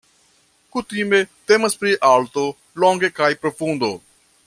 Kutime temas pri alto, longo kaj profundo.